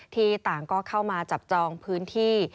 ที่ต่างก็เข้ามาจับจองพื้นที่